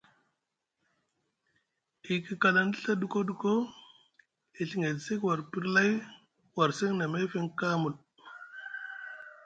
E yiɗi kalaŋdi Ɵa duko duko e Ɵiŋ edi sek war pri lay war seŋ na meefeŋ kamul.